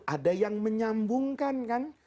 ada yang menyambungkan kan